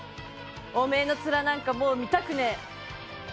おめぇのつらなんかもう見たくねぇ！